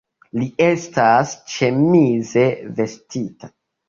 Li estas ĉemize vestita.